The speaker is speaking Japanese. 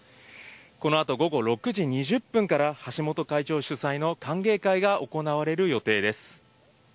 このあと午後６時２０分から、橋本会長主催の歓迎会が行われる予定です。